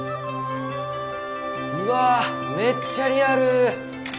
うわめっちゃリアル。